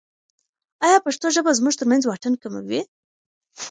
ایا پښتو ژبه زموږ ترمنځ واټن کموي؟